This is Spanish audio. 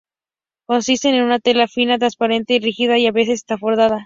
Consisten en una tela fina, transparente y rígida y a veces está bordada.